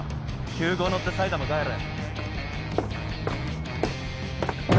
急行乗って埼玉帰れ。